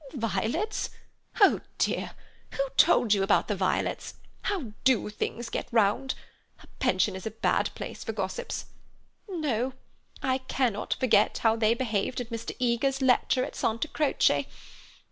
"Violets? Oh, dear! Who told you about the violets? How do things get round? A pension is a bad place for gossips. No, I cannot forget how they behaved at Mr. Eager's lecture at Santa Croce.